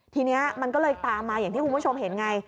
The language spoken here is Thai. ทีนี้มันก็เลยตามมาอย่างที่คุณผู้ชมเห็นไง